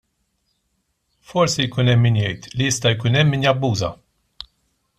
Forsi jkun hemm min jgħid li jista' jkun hemm min jabbuża.